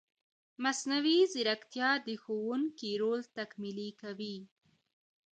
مصنوعي ځیرکتیا د ښوونکي رول تکمیلي کوي.